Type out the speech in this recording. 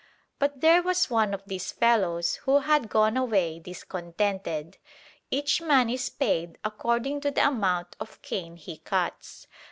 But there was one of these fellows who had gone away discontented. Each man is paid according to the amount of cane he cuts.